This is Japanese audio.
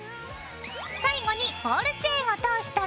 最後にボールチェーンを通したら。